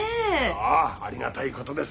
ああありがたいことです。